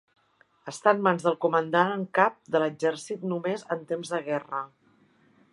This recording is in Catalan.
Està en mans del comandant en cap de l'exercit només en temps de guerra.